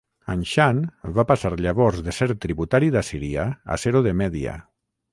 Anshan va passar llavors de ser tributari d'Assíria a ser-ho de Mèdia.